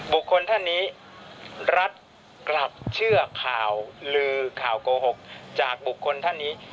ท่านนี้รัฐกลับเชื่อข่าวลือข่าวโกหกจากบุคคลท่านนี้